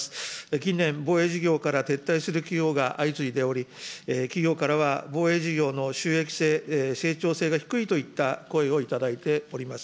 近年、防衛事業から撤退する企業が相次いでおり、企業からは防衛事業の収益性、成長性が低いといった声を頂いております。